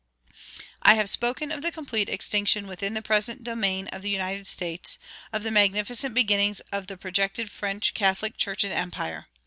I have spoken of the complete extinction within the present domain of the United States of the magnificent beginnings of the projected French Catholic Church and empire.